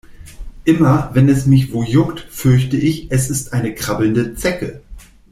Immer wenn es mich wo juckt, fürchte ich, es ist eine krabbelnde Zecke.